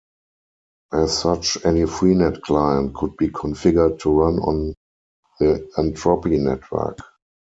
As such, any Freenet client could be configured to run on the Entropy network.